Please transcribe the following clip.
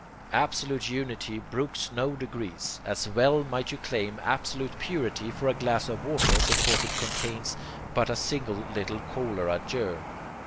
Absolute unity brooks no degrees as well might you claim absolute purity for a glass of water because it contains but a single little cholera germ.